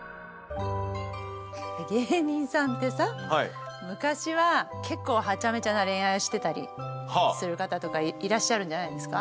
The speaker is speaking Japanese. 芸人さんってさ昔は結構ハチャメチャな恋愛してたりする方とかいらっしゃるんじゃないんですか？